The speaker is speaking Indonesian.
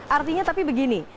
artinya tapi begini